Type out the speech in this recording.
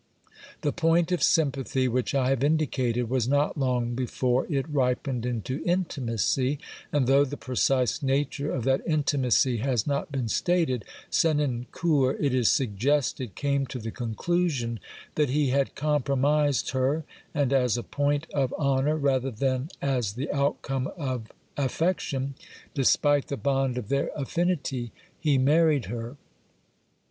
The point of sympathy which I have indicated was not long before it ripened into intimacy and, though the precise nature of that intimacy has not been stated, Senancour, it is suggested, came to the conclusion that he had compromised her, and as a point of honour rather than as the outcome of affection, despite the bond of their affinity, he married her.